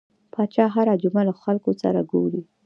پاچا هر جمعه له خلکو سره ګوري .